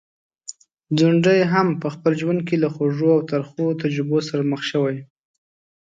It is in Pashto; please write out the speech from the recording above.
ځونډی هم په خپل ژوند کي له خوږو او ترخو تجربو سره مخ شوی.